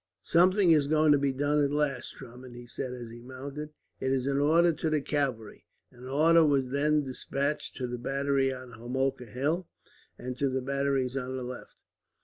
"Something is going to be done at last, Drummond," he said, as he mounted. "It is an order to the cavalry." An order was then despatched to the battery on Homolka Hill, and to the batteries on the left.